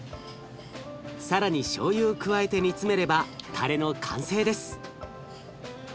更にしょうゆを加えて煮詰めればたれの完成です。